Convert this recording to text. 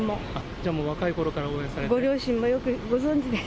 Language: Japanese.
じゃあもう、若いころから応援されて？